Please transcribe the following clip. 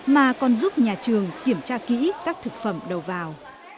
mà còn giúp nhà trường kiểm tra kỹ các thực phẩm đầu vào